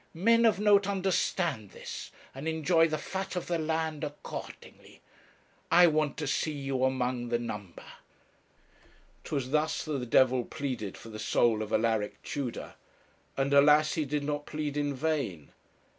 Men of note understand this, and enjoy the fat of the land accordingly. I want to see you among the number.' 'Twas thus the devil pleaded for the soul of Alaric Tudor; and, alas! he did not plead in vain.